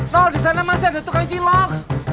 no disana masih ada tukang cilok